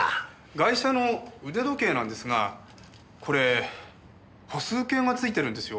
ガイ者の腕時計なんですがこれ歩数計が付いてるんですよ。